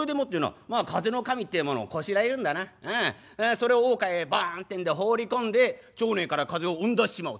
それを大川へバンってんで放り込んで町内から風邪を追ん出しちまおうってんだな。